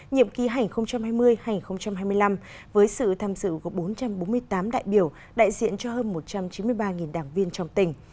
nhiệm ký hành hai mươi hai nghìn hai mươi năm với sự tham dự của bốn trăm bốn mươi tám đại biểu đại diện cho hơn một trăm chín mươi ba đảng viên trong tỉnh